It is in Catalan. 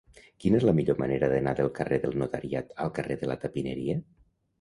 Quina és la millor manera d'anar del carrer del Notariat al carrer de la Tapineria?